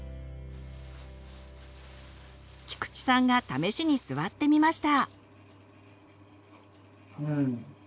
菊地さんが試しに座ってみました。